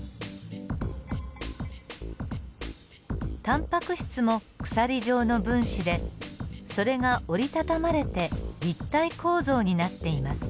タンパク質も鎖状の分子でそれが折り畳まれて立体構造になっています。